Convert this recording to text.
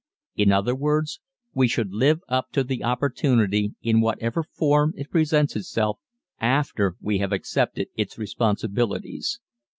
In other words, we should live up to the opportunity in whatever form it presents itself after we have accepted its responsibilities.